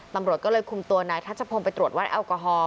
ตำรวจก็เลยคุมตัวนายทัชพงศ์ไปตรวจวัดแอลกอฮอล